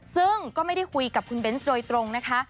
ซึ่งก็ไม่ได้คุยกับคุณเบนส์โดยตรงนะคะ